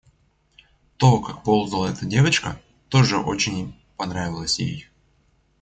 То, как ползала эта девочка, тоже очень понравилось ей.